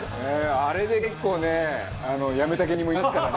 あれで結構ねやめた芸人もいますからね。